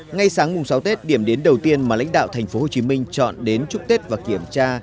ngay sáng mùng sáu tết điểm đến đầu tiên mà lãnh đạo tp hcm chọn đến chúc tết và kiểm tra